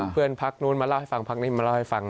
เพื่อนพักนู้นมาเล่าให้ฟังพักนี้มาเล่าให้ฟัง